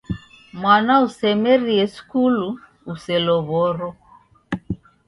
Mwana usemerie skulu uselow'oro.